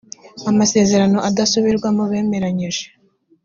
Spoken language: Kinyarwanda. amasezerano adasubirwamo bemeranyije